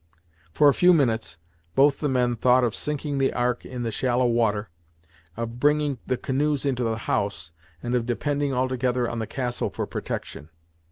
For a few minutes, both the men thought of sinking the Ark in the shallow water, of bringing the canoes into the house, and of depending altogether on the castle for protection.